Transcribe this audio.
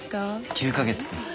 ９か月です。